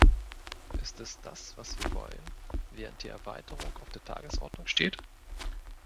Ist es das, was wir wollen, während die Erweiterung auf der Tagesordnung steht?